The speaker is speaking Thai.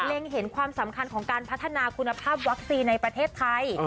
เห็นความสำคัญของการพัฒนาคุณภาพวัคซีนในประเทศไทย